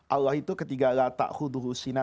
allah itu ketika